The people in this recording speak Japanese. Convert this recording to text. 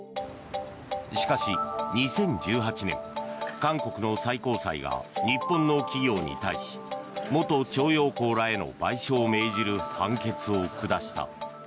しかし、２０１８年韓国の最高裁が日本の企業に対し元徴用工らへの賠償を命じる判決を下した。